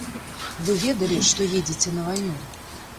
Вы ведалі, што едзеце на вайну.